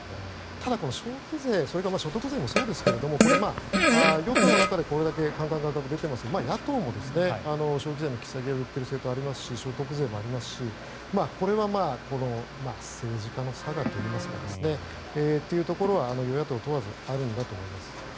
ただ、消費税それから所得税もそうですが与党の中でこれだけ侃侃諤諤出てますが野党も消費税を引き下げるという政党ありますし所得税もありますしこれは政治家のさがといいますかそういうところは与野党問わずあるんだと思います。